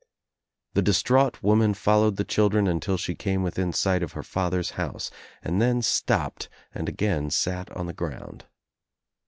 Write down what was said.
The distraught woman followed the children until she came within sight of her father's house and then stopped and again sat on the ground.